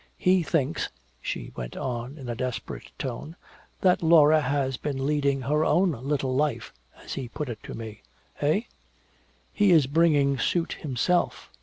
"He thinks," she went on in a desperate tone, "that Laura has been leading 'her own little life' as he put it to me." "Eh?" "He is bringing suit himself."